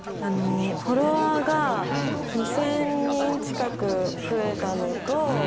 フォロワーが２，０００人近く増えたのと